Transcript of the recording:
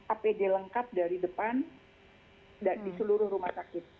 apd lengkap dari depan dari seluruh rumah sakit